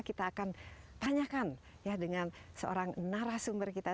kita akan tanyakan ya dengan seorang narasumber kita